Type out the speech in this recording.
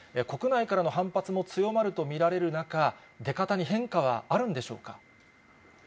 国内からの反発も強まると見られる中、出方に変化はあるんでしょ